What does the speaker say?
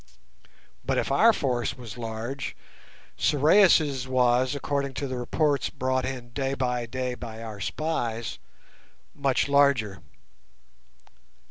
But if our force was large, Sorais' was, according to the reports brought in day by day by our spies, much larger.